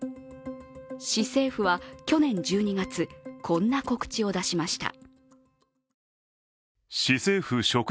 市政府は去年１２月、こんな告知を出しました。